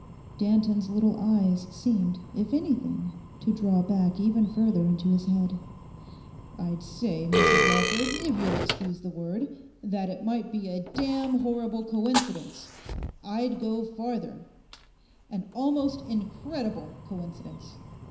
Danton's little eyes seemed, if anything, to draw back even further into his head. 'I'd say, Mrs Lawford, if you'll excuse the word, that it might be a damn horrible coincidence—I'd go farther, an almost incredible coincidence.